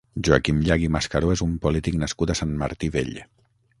Joaquim Llach i Mascaró és un polític nascut a Sant Martí Vell.